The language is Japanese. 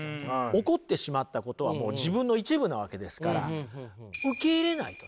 起こってしまったことはもう自分の一部なわけですから受け入れないとね